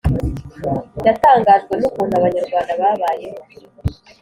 yatangajwe n'ukuntu Abanyarwanda babayeho